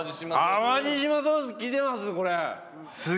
淡路島ソースきてます。